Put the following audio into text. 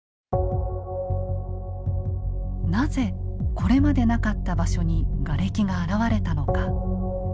なぜこれまでなかった場所にガレキが現れたのか。